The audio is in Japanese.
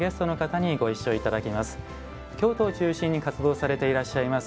京都を中心に活動されていらっしゃいます